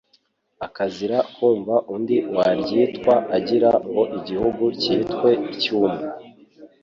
Akazira kumva undi waryitwa Agira ngo igihugu cyitwe icy' umwe